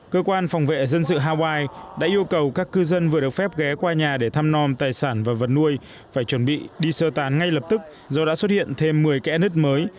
cơ quan phòng vệ dân sự hawaii đã yêu cầu các cư dân vừa được phép ghé qua nhà để thăm non tài sản và vật nuôi phải chuẩn bị đi sơ tán ngay lập tức do đã xuất hiện thêm một mươi kẻ nứt mới